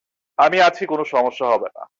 আমি আছি, কোন সমস্যা হবে না।